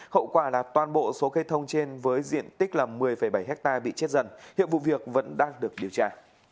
hậu quả là toàn bộ số cây thông trên với diện tích là một mươi bảy hectare bị chết dần hiện vụ việc vẫn đang được điều tra